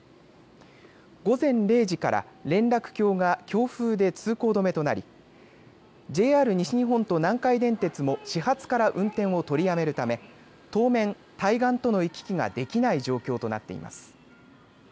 午前０時から連絡橋が強風で通行止めとなりＪＲ西日本と南海電鉄も始発から運転を取りやめるため当面、対岸との行き来ができない状況となっています。